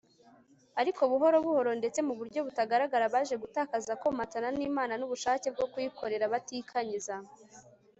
ariko buhoro buhoro ndetse mu buryo butagaragara baje gutakaza komatana n'imana n'ubushake bwo kuyikorera batikanyiza